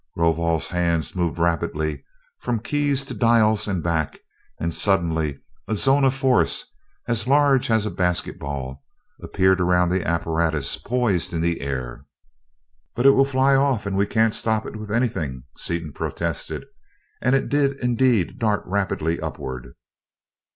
Rovol's hands moved rapidly from keys to dials and back, and suddenly a zone of force, as large as a basketball appeared around the apparatus poised in the air. "But it'll fly off and we can't stop it with anything," Seaton protested, and it did indeed dart rapidly upward.